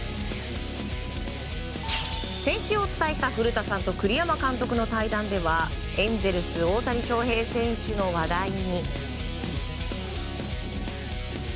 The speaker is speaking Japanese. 先週お伝えした古田さんと栗山監督の対談ではエンゼルス大谷翔平選手の話題に。